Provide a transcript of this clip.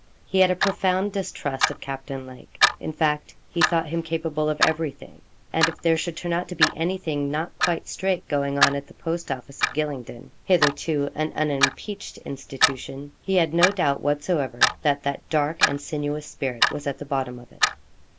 He had a profound distrust of Captain Lake. In fact, he thought him capable of everything. And if there should turn out to be anything not quite straight going on at the post office of Gylingden hitherto an unimpeached institution he had no doubt whatsoever that that dark and sinuous spirit was at the bottom of it.